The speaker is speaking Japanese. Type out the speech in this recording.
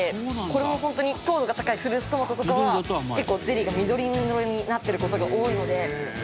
これも本当に糖度が高いフルーツトマトとかは結構ゼリーが緑色になってる事が多いので。